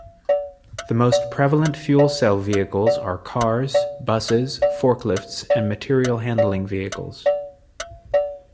The most prevalent fuel cell vehicles are cars, buses, forklifts and material handling vehicles.